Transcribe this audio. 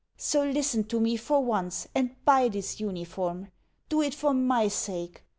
So listen to me for once, and buy this uniform. Do it for MY sake.